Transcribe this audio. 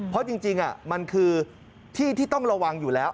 เพราะจริงมันคือที่ที่ต้องระวังอยู่แล้ว